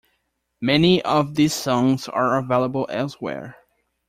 Many of these songs are available elsewhere.